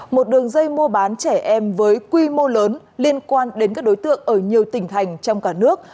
một đường dây mua bán trẻ em với quy mô lớn liên quan đến các đối tượng ở nhiều tỉnh thành trong cả nước